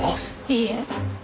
いいえ